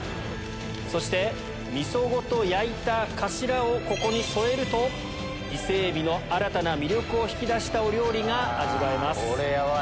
そしてミソごと焼いた頭をここに添えると伊勢海老の新たな魅力を引き出したお料理が味わえます。